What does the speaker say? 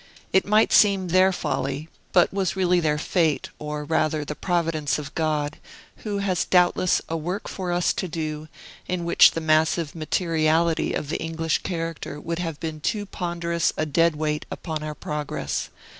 It might seem their folly, but was really their fate, or, rather, the Providence of God, who has doubtless a work for us to do, in which the massive materiality of the English character would have been too ponderous a dead weight upon our progress.